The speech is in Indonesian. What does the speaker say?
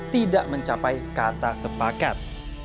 tidak mencapai kata sepakat